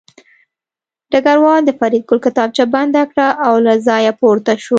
ډګروال د فریدګل کتابچه بنده کړه او له ځایه پورته شو